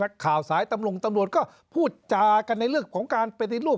ข่าวสายตำรวจก็พูดจากันในเรื่องของการปฏิรูป